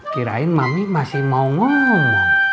kirain mami masih mau ngomong